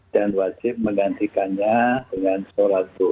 dan wajib menggantikannya dengan sholat duhur